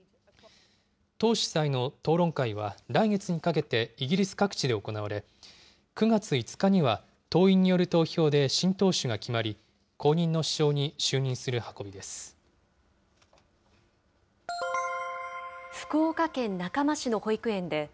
党主催の討論会は、来月にかけてイギリス各地で行われ、９月５日には党員による投票で新党首が決まり、後任の首相に就任する運びです。